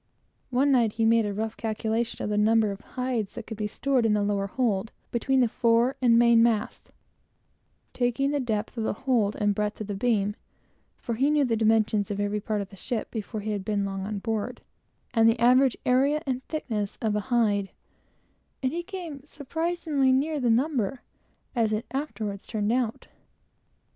One night, he made a rough calculation of the number of hides that could be stowed in the lower hold, between the fore and main masts, taking the depth of hold and breadth of beam, (for he always knew the dimension of every part of the ship, before he had been a month on board,) and the average area and thickness of a hide; he came surprisingly near the number, as it afterwards turned out.